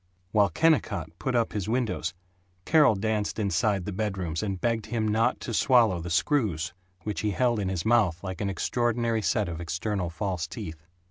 While Kennicott put up his windows Carol danced inside the bedrooms and begged him not to swallow the screws, which he held in his mouth like an extraordinary set of external false teeth.